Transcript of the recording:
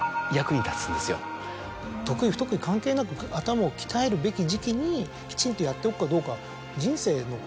得意不得意関係なく頭を鍛えるべき時期にきちんとやっておくかどうか。